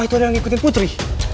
itu ada yang ngikutin putri